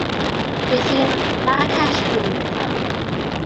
Fues i ym Maracesh flwyddyn ddiwethaf.